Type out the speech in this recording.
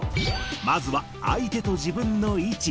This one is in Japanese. まずは相手と自分の位置。